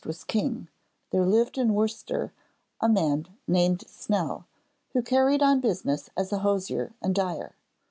was king, there lived in Worcester a man named Snell, who carried on business as a hosier and dyer.